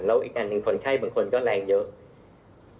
แล้วอีกอันหนึ่งคนไข้บางคนก็แรงเยอะ